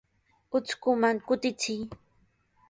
Utrkuman kutichiy.